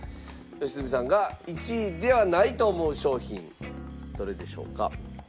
良純さんが１位ではないと思う商品どれでしょうか？